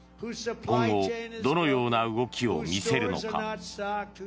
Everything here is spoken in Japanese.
今後どのような動きを見せるのか。